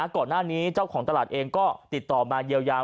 ก่อนหน้านี้เจ้าของตลาดเองก็ติดต่อมาเยียวยา